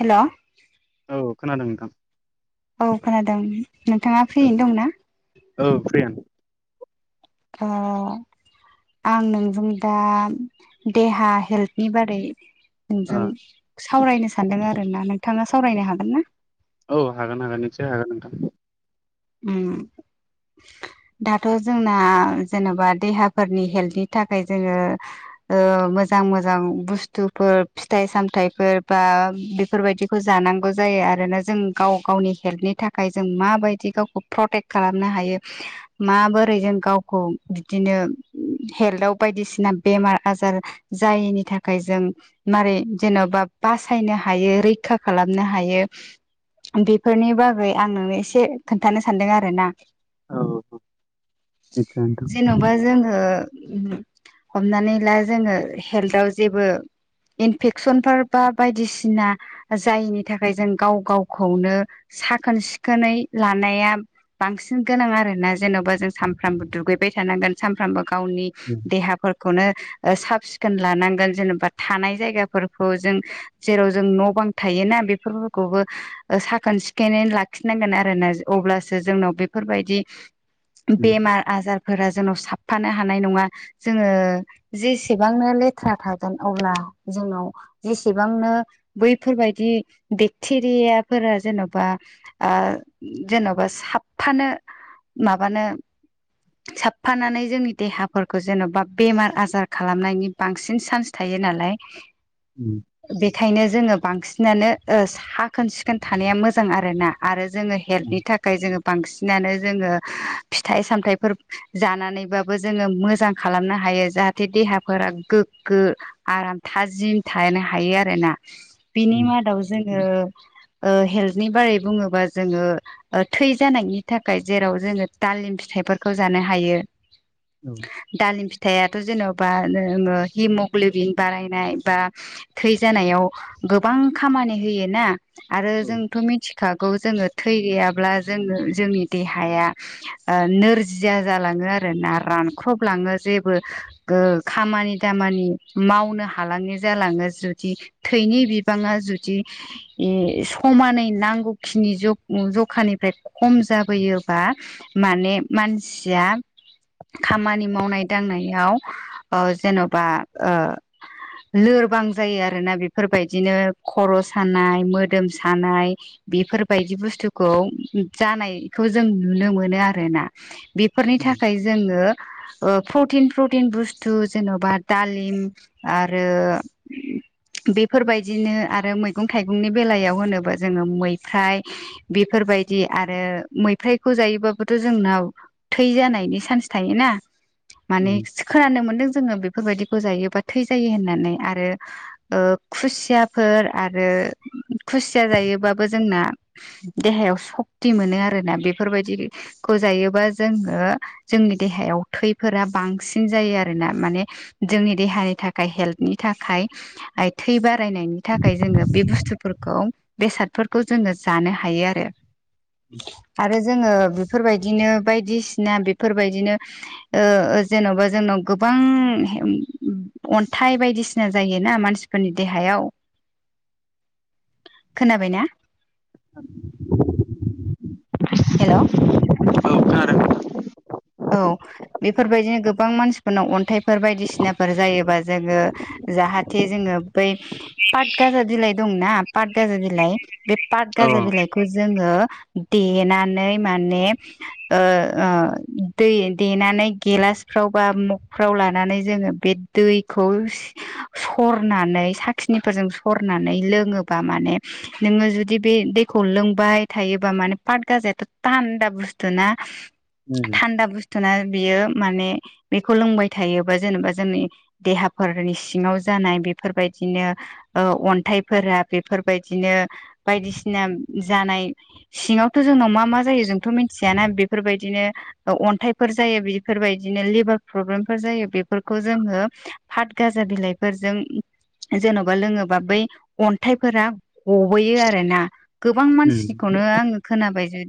Hello. औ खोनादों नोंथां। औ खोनादों। नोंथाङा औ फ्रियैनो दंना? औ फ्रियानो अ आं नोंजों दा देहा हेल्थनि बारै ओ नोंजों सावरायनो सानदों आरो ना नोंथाङा सावरायनो हागोन ना? औ हागोन हागोन निसय हागोन नोंथां। उम। दाथ' जोंना जेनेबा देहाफोरनि हेल्थनि थाखाय जोङो ओ मोजां मोजां मोजां बुस्थुफोर फिथाइ सामथाइफोर बा बेफोरबायदिखौ जानांगौ जाया। आरोना जों गाव गावनि हेल्पनि थाखाय जों माबायदि गाव प्रटेकट खालामनो हायो माबोरै जों गावखौ बिदिनो हेल्थाव बायदिसिना बेमार आजार जायनि थाखाय जों मारै जेनेबा बासायनो हायो रैखा खालामनो हायो बेफोरनि बागै आं नोंनो एसे खोन्थानो सानदों आर ना। औ औ निस्सय नोंथां जेन'बा जोङो हमनानै ला जोङो हेल्थआव जेबो इनफेकसनफोर बा बायदिसिना जायैनि थाखाय जों गाव गावखौनो साखोन सिखोनै लानाया बांसिन गोनां आरोना जेन'बा जों सानफ्रामबो दुगैबाय थानांगोन सानफ्रामबो गावनि उम देहाफोरखौनो साब सिखोन लानांगोन जेनेबा थानाय जायगाफोरखौ जों जेराव जों न' बां थायोना बेफोरखौबो साखोन सिखोनै लाखिनांगोन आरो अब्ला सो जोंनाव बेफोरबायदि उम बेमार आजारफोर फोर जोंनाव साबफानो हानाय नङा जोङो जेसेबांनो लेथ्रा थागोन अब्ला जोंनाव जेसेबांनो बैफोरबायदि बेक्टेरियाफोरा जेन'बा जेन'बा साबफानो माबानो साबफानानै जोंनि देहाफोरखौ जेन'बा बेमार आजार खालामनायनि बांसिन चान्स थायो बे नालाय उम बेखायनो जोङो बांसिनानो ओ साखोन सिखोन थानाया मोजां आरोना आरो जोङो हेल्पनि थाखाय जोङो बांसिनानो जोङो फिथाइ सामथायाइफोर जानानैबाबो जोङो मोजां खालामनो हायो जाहाथे देहाफोरा गोग्गो आराम थाजिम थानो हायो आरोना बिनि उम मादाव जोङो उम ओ हेल्थनि बारै बुङोबा जोङो थै जानायनि थाखाय जेराव जोङो तालिम फिथाइफोरखौ जानो हायो औ दालिम फिथाइ आरो जेन'बा हिमग्ल'बिन बारायनाय बा थै जानायाव गोबां गोबां खामानि होय ना आरो औ जोंथ' मिथिखागौ जोङो थै गैयाब्ला जोङो जोंनि देहाया नोरजिया जालाङो आरो नाराम रानख्रबलाङो जेबो खामानि दामानि मावनो हालाङि जालाङो जुदि थैनि बिबाङा जुदि समानै नांगौखिनि जुग जखानिफ्राय खम जाबोयोबा माने मानसिया खामानि मावनाय दांनायाव जेन'बा ओ लोरबां जायो आरोना बेफोरबायदिनो खर' सानाय मोदोम सानाय बेफोरबायदि बुस्थुखौ जानायखौ जों नुनो मोनो आरोना बेफोरनि उम थाखाय जोङो ओ प्रटिन प्रटिन बुस्थु जेन'बा दालिम आरो बेफोरबायदिनो आरो मैगं थाइगंनि बेलायाव होनोबा जोङो मैफ्राय बेफोरबायदि आरो मैफ्रायखौ जायोबाबोथ' जोंनाव थै जानायनि सान्स थायो ना माने उम खोनानो मोनदों जोङो बेब फोरबायदिखौ जायो बा थैजायो होननानै आरो ओ खुसियाफोर आरो खुसिया जायोबाबबो जोंना देहायाव शक्ति मोनो आरोना बेफोरबायदिखौ जायोबा जोङो जोंनि देहायाव [unintelligible] थैफोरा बांसिन जायो आरोना माने जोंनि देहानि थाखाय हेल्दनि थाखाय आइ थै बारायनायनि थाखाय जोङो बे बुस्थुफोरखौ बेसादफोरखौ जोङो जानो हा हायो आरो आरो जोङो बेफोरबायदिनो बायदिसिना बेफोर बायदिनो ओ जेन'बा जोंनाव गोबां अन्थाइ बायदिसिना जायो ना मानसिफोरनि देहा हायाव‌ खोनाबायना? [inaudible] हेलौ औ खोनादों औ बेफोरबायदिनो गोबां मानसिफोरनाव अन्थाइफोर बायदिसिनाफोर जायोबा जोङो जाहाथे जोङो बै पाटगाजा बिलाइ दंना पाटगाजा बिलाइ बे औ पाटगाज गाजा औ बिलाइखौ जोङो देनानै माने ओ ओ दै देनानै गेलासफ्राव बा मगफ्राव लानानै जोङो बे दैखौ सि सरनानै साखिनिफोरजों सरनानै लोङोबा माने नोङो जुदि बे दैखौ लोंबाय थायोबा माने पाट गाजायाथ' थान्दा बुस्थु ना उम थान्दा बुस्थुना बियो माने बेखौ लोंबाय थायोबा जेनेबा जोंनि देहाफोरनि सिङाव जानाय बेफोरबाय दिनो ओ‌ अन्थाइफोरा बेफोरबायदिनो बायदिसिना जानाय सिङावथ' जोंनाव मा मा जायो जोंथ' मिथियाना बेफोरबायदिनो ओ अन्थाइफोर जायो बेफोरबायदिनो लिभार प्रब्लेमफोर जायो, बेफोरखौ जोङो फतगाजा बिलाइफोरजों जेन'बा लोङोबा बै अन्थाइफोरा गबोयो आरो ना गोबां उम मानसिखौनो आङो खोनाबाय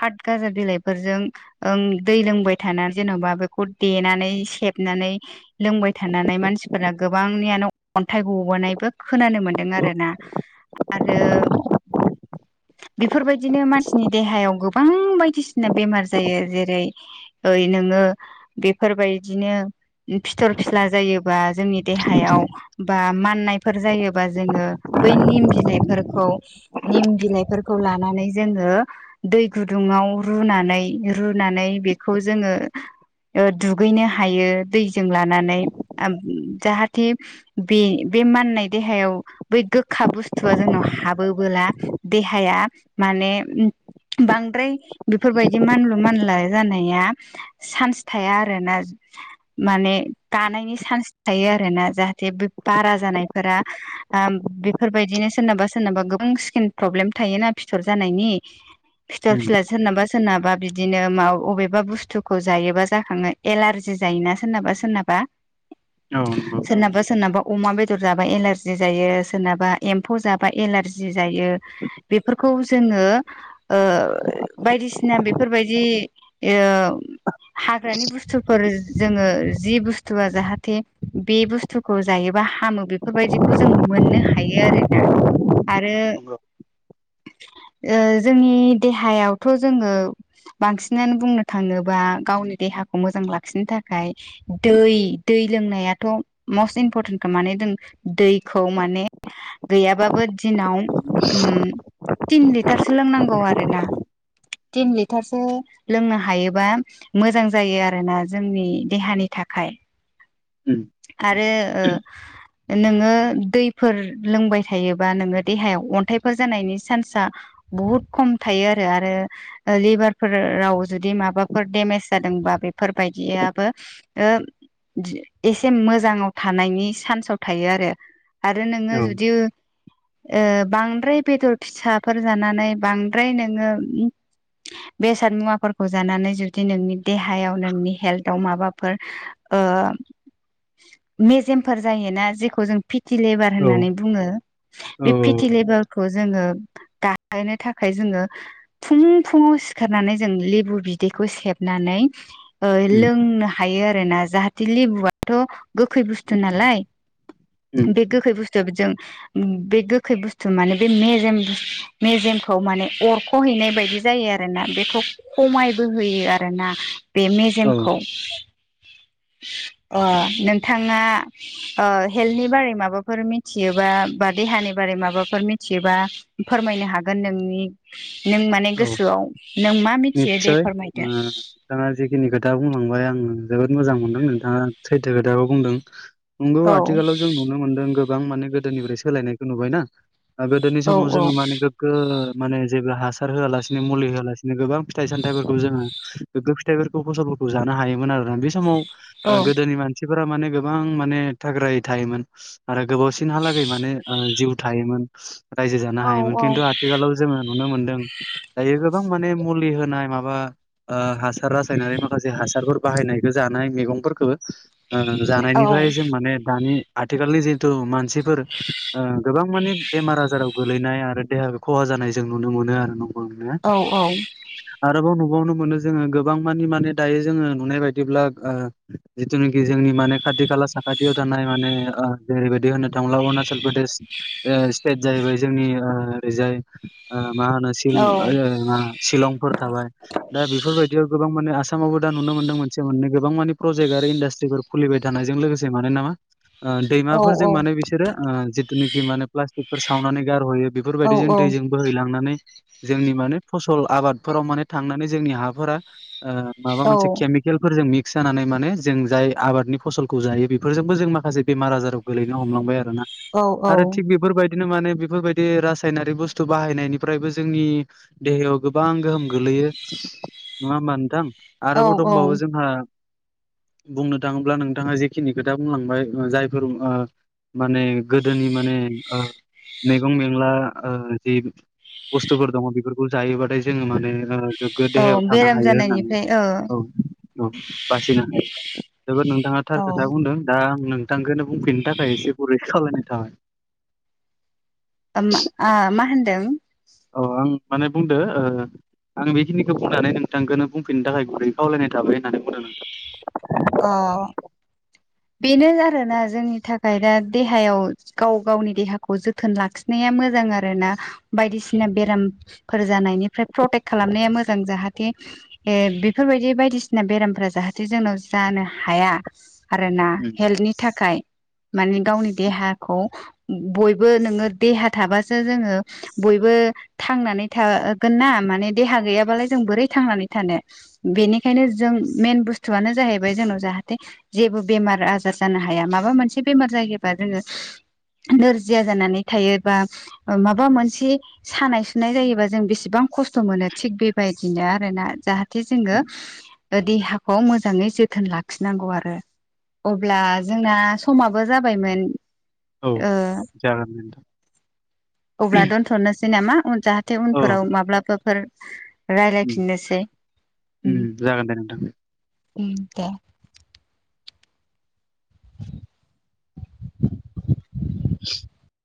पातगाजा बिलाइफोरजों ओं दै लोंबाय थाना जेन'बा बेखौ देनानै सेबनानै लोंबाय थानानै मानस सिफोरा गोबांनियानो अन्थाइ गबोनायबो खोनानो मोन्दों आरो ना आरो बेफोरबायदिनो मानसिनि देहायाव गोबां बायदिसिना बेमार जायो जेरै ओइ नोङो बेफोर बायदिनो फिथर फिस्ला जायोबा जोंनि देहायाव बा माननायफोर जायोबा जोङो बै निम बिलाइफोरखौ निम बिलाइफोरखौ लानानै जोङो दै गुदुं आव रुनानै रुनानै बेखौ जोङो ओ दुगैनो हायो। दैजों लानानै आब जाहाथे बे बे माननाय देहायाव बै गोखा बुस्थुआ जोंनाव हाबोबोला देहाया मा माने बांद्राय बेफोरबादि मानलु मानला जानाया सान्स थाया‌ आरो ना माने गानायनि सा [unintelligible] थायो आरोना जाहाथे बे बारा जानायफोरा आब बेफोर बायदिनो सोरनाबा सोरना बा गोबां स्किन फ्रब्लेम थायो ना फिथर जानायनि फिथर उम फिला सोरनाबा सोरनाबा बि दिनो माब अबेबा बुस्थुखौ जायोबा जाखाङो एलारजि जायोना सोरनाबा सोरनाबा औ नंगौ सोरनाबा सोरनाबा अमा बेदर जाबा एलारजि जायो सोरनाबा एम्फौ जाबा एलारजि जायो बेफोरखौ खौ जोङो ओ बायदिसिना बेफोरबायदि ओ हाग्रानि बुस्थुफोर जोङो जि बुस्थुआ जाहाथे बे बुस्थुखौ जायो बा हामो बेफोरबायदिखौ जों मोननो हायो आरो ना आरो नंगौ ओ जोंनि देहायावथ' जोङो बांसिनानो बुंनो थाङोबा गावनि देहाखौ मोजां लाखिनो थाखाय दै दै लोंनायाथ' मस्ट इम्परटेन्टखा माने जों दैखौ माने गैयाबाबो दिनाव उम तिन लिटारसो लोंनांगौ आरोना थिन लिट टारसो लोंनो हायोबा मोजां जायो आरोना जोंनि देहानि थाखाय उम आरो ओ नोङो दैफोर लोंबाय थायोबा नोङो देहायाव अन्थाइफोर जानायनि सान्सआ बहुद खम थायो आरो आरो लिभारफोराव जुदि माबाफोर देमेज जादोंबा बेफोरबायदियाबो ओ एसे मोजाङाव थानायनि चान्साव थायो आरो आरो नोङो औ जुदि ओ बांद्राय बेदर फिसाफोर जानानै बांद्राय नोङो बेसाद मुवाफोरखौ जानानै जुदि नोंनि देहायाव नोंनि हेल्थाव माबाफोर ओ मेजेमफोर जायोना जेखौ जों फिटि लेबार औ होननानै बुङो औ बे फिटि लेबारखौ जोङो गाहोयनो थाखाय जोङो फुं फुङाव सिखारनानै जों लेबु बिदैखौ सेबनानै ओ उम लोंनो हायो आरो आरो ना जाहाथे लिबु आथ गोखै बुस्थु नालाय उम बे गोखै बुस्थुआ बिजों बे गोखै बुस्थु माने बे मेजेम बुस्त मेजेमखौ माने अरख हैनाय बायदि जायो आरोना बेखौ खमायबो होयो आरोना बे औ मेजेमखौ अ नोंथाङा हेल्थनि बारै माबाफोर मिथियोबा बा देहानि बारै माबाफोर मिथियोबा फोरमाय हागोन नोंनि नों माने गोस औ सोआव नों मा मिथियो दे निस्सय फोरमायदो दा बुंलांबाय आङो जोबोद मोजां मोनदों नोंथाङा सैथो खोथाखौ बुंदों नंगौ औ आथिखालाव जों नुनो मोनदों गोबां माने गोदोनिफ्राय सोलायनायखौ नुबायना ओ गोदोनि औ समाव जोङो माने गोग्गो माने जेब्ला हास हासार होआलासिनो मुलि होआलासिनो गोबां फिथाइ सामथाइफोरखौ जोङो गोग्गो फिथाइफोरखौ फसलफोरखौ जानो हायोमोन आरो बे समाव औ ओ गोदोनि मानसिफोरा माने गोबां माने थाग्रायै थायोमोन आरो गोबावसिनहालागै माने ओ जिउ थायोमोन रायजो जानो औ हायोमोन खिन्थु आथिखालाव जोङो नुनो मोनदों दायो गोबां माने मुलि होनाय माबा ओ हासार रासायनारि माखासे हासारफोर बाहायनाय जानाय मेगंफोरखो ओ औ जानायनिफ्राय जों माने दानि आथिखालनि जिहेतु मानसि फोर ओ गोबां माने बेमार आजाराव गोलैनाय आरो देहा खहा जानाय जों नुनो मोनो आरो न औ [unintelligible] आरोबाव नुबावनो मोनो जोङो गोबां मानि माने दायो जोङो नुनाय बायदिब्ला ओ जिथुनोखि जोंनि माने खाथि खाला साखाथियाव थानाय माने ओ जेरैबायदि होननो थाङोब्ला अरुणाचल प्रदेश ओ स्टेट जाहैबाय जोंनि ओ ओरैजाय ओ मा औ [unintelligible] सिलंफोर थाबाय दा बेफोरबायदियाव गोबां माने आसामावबो दा नुनो मोनदों मोनसे मोननै गोबां मानि प्रजेक्ट आरो इन्डास्ट्रिफोर खुलिबाय थानायजों लोगोसे मानो नामा ओ दैमाफोरजों माने बिसोरो जिथुनाखि माने प्लास्टिकफोर सावनानै गारहयो औ बेफोरबायदिजों दैजों बोहैलांनानै जोंनि माने फसल आबादफोराव माने थांनानै जोंनि हाफोरा ओ माबा मोनसे केमिकेलफोरजों मि क्स जानानै माने जों जाय आबादनि फसलखौ जायो बेफोरजोंबो जों माखासे बेमार आजाराव गोलैनो हमलांबाय आरो ना औ आरो थिग बेफोरबायदिनो माने बेफोरबायदि रासायनारि बुस्थु बाहायनायनिफ्रायबो जोंनि देहायाव गोबां गोहोम गोलैयो नङा होमबा नोंथां औ आरोबाव औ दंबावो जोंहा [unintelligible] बुंनो थाङोब्ला नोंथाङा जेखिनि खोथा बुंलांबाय जायफोर माने गोदोनि माने ओ मैगं मेला जि बुस्थुफोर दङ बेफोरखौ जायोबाथाय जोङो माने गोग्गो देहायाव थानो बेराम हायो होननानै जानायनिफ्राय औ ओ औ बासिनो हायो जोबोद नोंथाङा थार खोथा औ बुंदों दा नोंथांखौनो बुंफिननो थाखाय एसे गुरै खावलायनाय थाबाय। ओमा आ मा होनदों? औ आं माने बुंदो ओ आं बेखिनिखौ बुंनानै नोंथांखौनो बुंफिननो थाखाय गुरै खावलायनाय थाबाय होननानै बुंदों नोंथां। अ। बेनो आरोना जोंनि थाखाय दा देहायाव गाव गावनि देहाखौ जोथोन लाखिनाया मोजां आरोना। बायदिसिना बेरामफोर जानायनिफ्राय प्रटेक खालामनाया मोज जां। जाहाथे ओ बेफोरबायदि बायदिसिना बेरामफोरा जाहाथे जोंनाव जानो हाया आरोना उम हेल्थनि थाखाय। माने गावनि देहाखौ बयबो नोङो देहा थाबासो जोङो बयबो थांनानै थागोन ना देहा गैया जों बोरै थांनानै थानो। बेनिखायनो जों मेन बुस्थुआनो जाहैब बाय जोंनाव जाहाथे जेबो बेमार आजार जानो हाया माबा मोनसे बेमार जायोबा जोङो नोरजिया जानानै थायो बा माबा मोनसे सानाय सुनाय जायोबा जों बेसेबां खस्थ' मोनो थिग बेबायदिनो आरोना। जाहा थे जोङो उम देहाखौ मोजाङै जोथ थोन लाखिनांगौ आरो अब्ला जोंना समाबो जाबायमोन। औ ओ [inaudible] जागोन दे नोंथां अब्ला दोनथ'नोसै नामा? जाहाथे औ उनफोराव माब्लाबाफोर उम रायलायफिननोसै। उम जागोन दे नोंथां। [inaudible] उम दे। [inaudible] [inaudible]